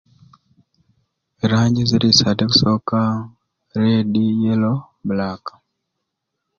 Eranji ziri isaatu ekusoka redi yelo bulaka